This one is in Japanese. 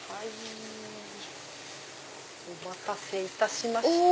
お待たせいたしました。